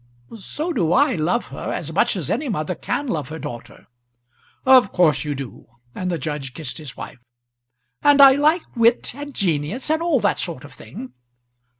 "So do I love her, as much as any mother can love her daughter." "Of course you do." And the judge kissed his wife. "And I like wit and genius and all that sort of thing."